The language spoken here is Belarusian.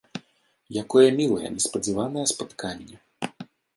Якое мілае, неспадзяванае спатканне!